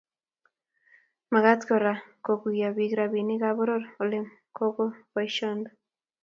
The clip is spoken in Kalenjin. Magat Kora koguiyo bik robinikab poror Ole kokiboisiondo